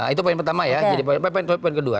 itu poin pertama ya jadi poin kedua